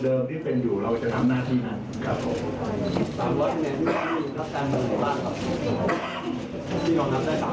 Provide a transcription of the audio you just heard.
เดิมที่เป็นอยู่เราจะทำหน้าแทนนั้น